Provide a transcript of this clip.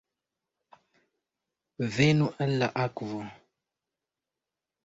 Venu al la akvo!